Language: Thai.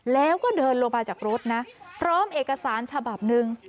แล้วก็เดินลงมาจากรถนะพร้อมเอกสารฉบับหนึ่ง